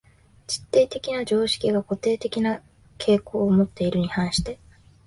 実定的な常識が固定的な傾向をもっているに反して、